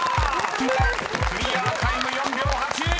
［クリアタイム４秒８！］